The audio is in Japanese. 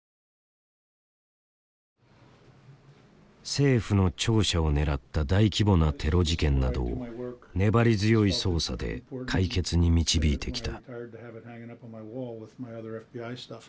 政府の庁舎を狙った大規模なテロ事件などを粘り強い捜査で解決に導いてきた。